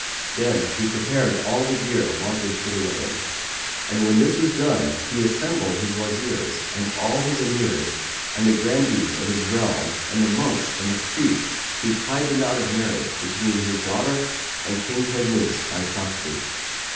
Then he prepared all the gear wanted for the wedding; and when this was done he assembled his Wazirs and all his Emirs and the Grandees of his realm and the monks and priests who tied the knot of marriage between his daughter and King Teghmus by proxy.